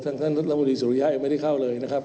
ท่านท่านละบุรีสุริยะยังไม่ได้เข้าเลยนะครับ